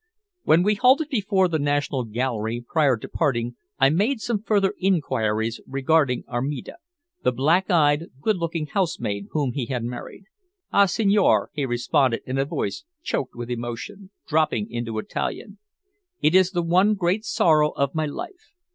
When we halted before the National Gallery prior to parting I made some further inquiries regarding Armida, the black eyed, good looking housemaid whom he had married. "Ah, signore!" he responded in a voice choked with emotion, dropping into Italian. "It is the one great sorrow of my life.